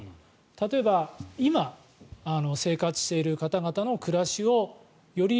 例えば今生活している方の暮らしをより